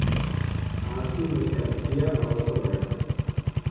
Ahaztu merkantzia hauskorrak.